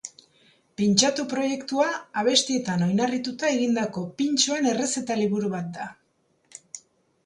Pintxatu proiektua abestietan oinarrituta egindako pintxoen errezeta liburu bat da.